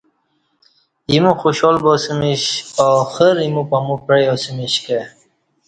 ایمو خوشحال باسمش اخر ا یمو پامو پعیاسمش کہ